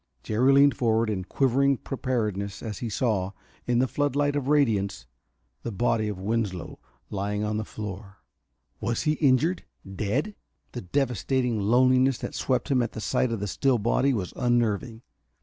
Jerry leaned forward in quivering preparedness as he saw, in the floodlight of radiance, the body of Winslow lying on the floor. Was he injured? Dead? The devastating loneliness that swept him at the sight of the still body was unnerving.